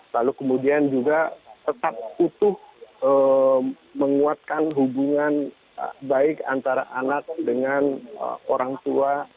lalu kemudian juga tetap utuh menguatkan hubungan baik antara anak dengan orang tua